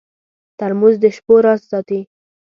ترموز د شپو راز ساتي.